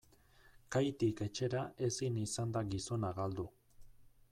Kaitik etxera ezin izan da gizona galdu.